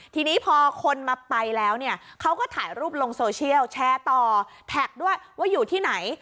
ทีนี้พอคนมาไปแล้วเนี่ยเขาก็ถ่ายรูปลงโซเชียลแชร์ต่อแท็กด้วยว่าอยู่ที่ไหน